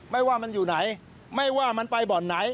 ว่ามันอยู่ไหนไม่ว่ามันไปบ่อนไหน